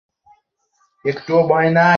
তিন ঘন্টা বাসে?